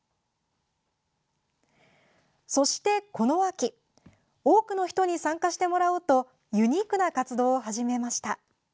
そして、この秋多くの人に参加してもらおうとユニークな活動を始めました。